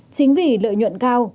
chính vì lợi nhuận cao